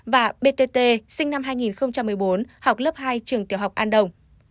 và b t t học lớp hai trường tiểu học an đồng